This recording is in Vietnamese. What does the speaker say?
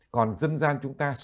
còn dân gian chúng ta